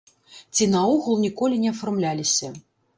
Ці наогул ніколі не афармляліся!